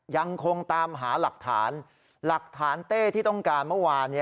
ยังคงตามหาหลักฐานหลักฐานเต้ที่ต้องการเมื่อวาน